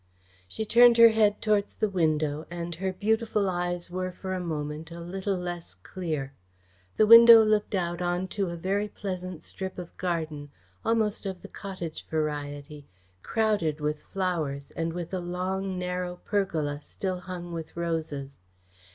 She turned her head towards the window and her beautiful eyes were for a moment a little less clear. The window looked out on to a very pleasant strip of garden, almost of the cottage variety, crowded with flowers and with a long, narrow pergola still hung with roses.